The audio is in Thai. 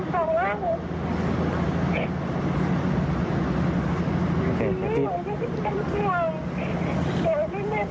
แม่บอกว่าถ้าเกิดตัวแม่ไม่อยู่